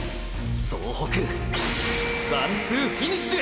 総北ワンツーフィニッシュへ！！